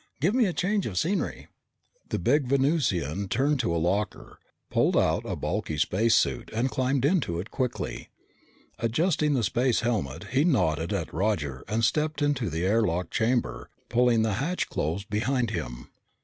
"Give me a change of scenery." The big Venusian turned to a locker, pulled out a bulky space suit, and climbed into it quickly. Adjusting the space helmet, he nodded at Roger and stepped into the air lock chamber, pulling the hatch closed behind him.